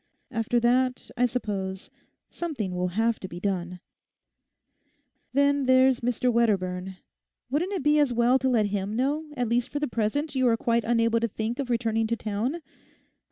After that, I suppose, something will have to be done. Then there's Mr Wedderburn; wouldn't it be as well to let him know that at least for the present you are quite unable to think of returning to town?